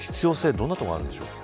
こんなところにあるでしょうか。